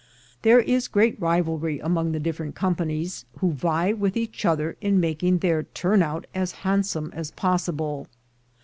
There is great rivalry among the different companies, who vie with each other in making their turn out as hand some as possible.